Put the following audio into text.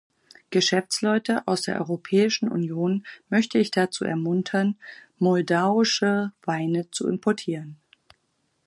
Geschäftsleute aus der Europäischen Union möchte ich dazu ermuntern, moldauische Weine zu importieren.